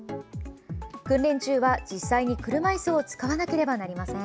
訓練中は実際に車いすを使わなければなりません。